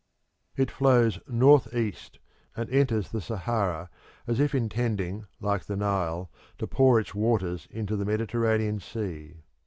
It flows north east, and enters the Sahara as if intending, like the Nile, to pour its waters into the Mediterranean Sea.